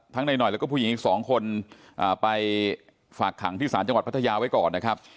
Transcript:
นายหน่อยแล้วก็ผู้หญิงอีก๒คนไปฝากขังที่ศาลจังหวัดพัทยาไว้ก่อนนะครับ